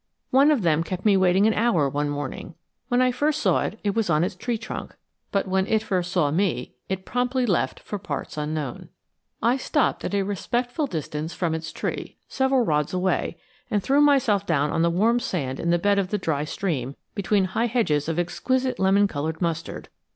One of them kept me waiting an hour one morning. When I first saw it, it was on its tree trunk, but when it first saw me, it promptly left for parts unknown. I stopped at a respectful distance from its tree several rods away and threw myself down on the warm sand in the bed of the dry stream, between high hedges of exquisite lemon colored mustard.